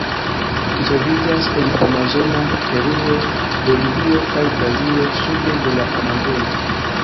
Ĝi troviĝas en Amazona Peruo, Bolivio kaj Brazilo sude de la Amazono.